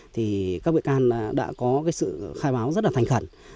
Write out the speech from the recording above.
thì các bệ can đã có sự khai báo rất là thành khẩn